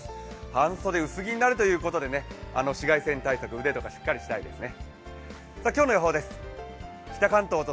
半袖、薄着になるということで紫外線対策、腕とか、しっかりしたいですね。